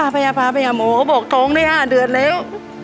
ป้าพยาโหมงก็บอกท้องได้๕เดือนแล้ว